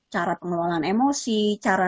cara pengelolaan emosi cara